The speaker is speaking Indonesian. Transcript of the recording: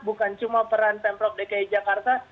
bukan cuma peran pemprov dki jakarta